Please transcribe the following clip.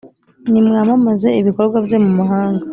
nimwamamaze ibikorwa bye mu mahanga.